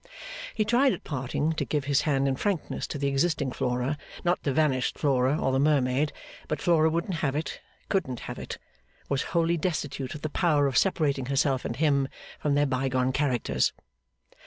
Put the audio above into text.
He tried at parting to give his hand in frankness to the existing Flora not the vanished Flora, or the mermaid but Flora wouldn't have it, couldn't have it, was wholly destitute of the power of separating herself and him from their bygone characters.